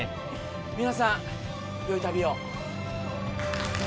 皆さんよい旅を。